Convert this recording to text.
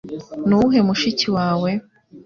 Ni uwuhe mushiki wawe